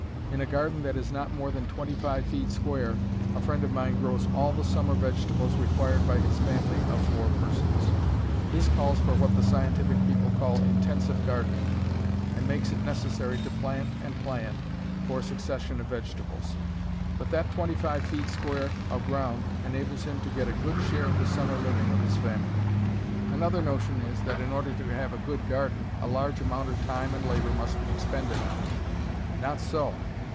In a garden that is not more than twenty five feet square a friend of mine grows all the summer vegetables required by his family of four persons. This calls for what the scientific people call "intensive gardening," and makes it necessary to plant and plan for a succession of vegetables; but that twenty five feet square of ground enables him to get a good share of the summer living of his family. Another notion is, that in order to have a good garden a large amount of time and labor must be expended on it. Not so.